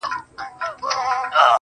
کور مي د بلا په لاس کي وليدی.